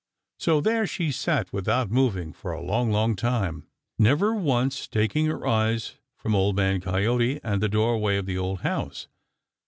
So there she sat without moving for a long, long time, never once taking her eyes from Old Man Coyote and the doorway of the old house.